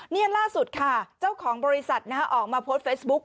นี่ล่าสุดค่ะเจ้าของบริษัทออกมาโพสต์เฟซบุ๊ค